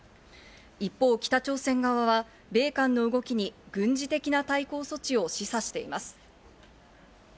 一方、北朝鮮側は米韓の動きに軍事的な対抗措置を示唆しています。